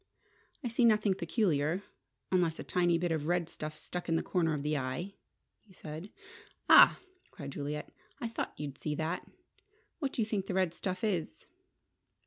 "I see nothing peculiar, unless a tiny bit of red stuff stuck in the corner of the eye," he said. "Ah!" cried Juliet, "I thought you'd see that! What do you think the red stuff is?"